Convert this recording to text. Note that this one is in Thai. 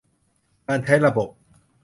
การใช้ระบบ